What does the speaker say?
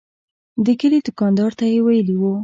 د کلي دوکاندار ته یې ویلي و.